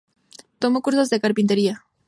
Tomó cursos de carpintería.